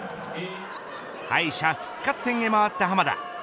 敗者復活戦へ回った濱田。